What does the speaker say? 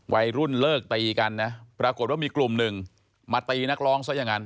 วัยรุ่นเลิกตีกันนะปรากฏว่ามีกลุ่มหนึ่งมาตีนักร้องซะอย่างนั้น